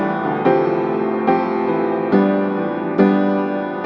aku gak dengerin kata kata kamu mas